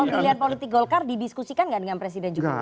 soal pilihan politik golkar didiskusikan gak dengan presiden jokowi